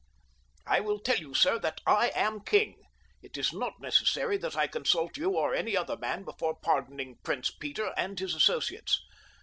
"I will tell you, sir, that I am king. It was not necessary that I consult you or any other man before pardoning Prince Peter and his associates.